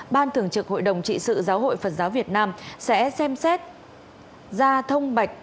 ban thường trực hội đồng trị sự giáo hội phật giáo việt nam sẽ xem xét ra thông bạch